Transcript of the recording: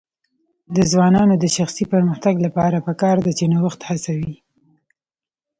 د ځوانانو د شخصي پرمختګ لپاره پکار ده چې نوښت هڅوي.